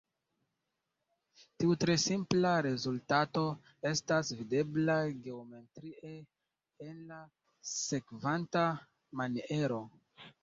Tiu tre simpla rezultato estas videbla geometrie, en la sekvanta maniero.